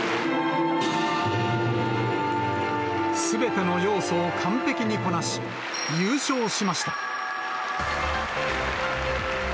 すべての要素を完璧にこなし、優勝しました。